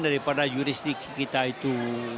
jadi pada jurisdik kita itu